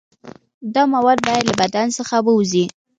دا مواد باید له بدن څخه ووځي.